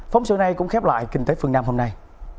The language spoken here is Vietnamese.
phóng sự này cũng khép lại kinh tế phương nam hôm nay